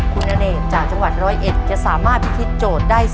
คุณน้าเหดจากจังหวัดร้อยเอ็ด